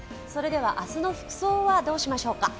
明日の服装はどうしましょうか？